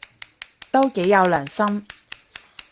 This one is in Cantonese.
都幾有良心